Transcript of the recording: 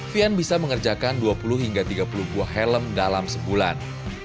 fian bisa mengerjakan dua puluh hingga tiga puluh buah helm dalam sebulan